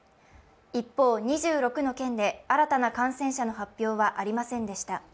一方、２６の県で新たな感染者の発表はありませんでした。